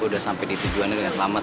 udah sampai di tujuannya dengan selamat